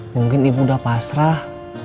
mungkin ibu udah pasrah